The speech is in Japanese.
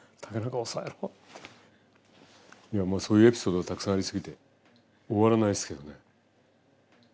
そういうエピソードたくさんありすぎて終わらないですけどね。